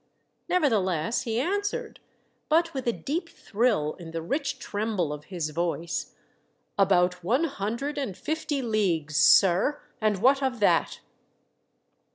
Nevertheless, he answered, but with a deep thrill in the rich tremble of his voice, " About one hundred and fifty leagues, sir ; and what of that